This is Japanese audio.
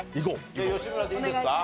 じゃあ吉村でいいですか？